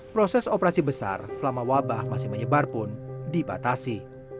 proses operasi besar selama wabah masih menyebar pun dibatasi